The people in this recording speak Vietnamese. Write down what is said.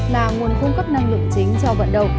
là nguồn cung cấp năng lượng chính cho vận động